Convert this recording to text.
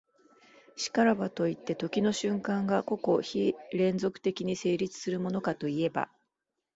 然らばといって、時の瞬間が個々非連続的に成立するものかといえば、